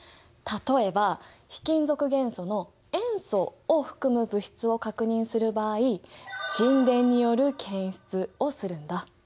例えば非金属元素の塩素を含む物質を確認する場合沈殿による検出をするんだ。